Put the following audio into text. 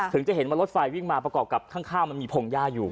ถึงจะเห็นว่ารถไฟวิ่งมาประกอบกับข้างมันมีพงหญ้าอยู่